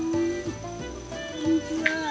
こんにちは。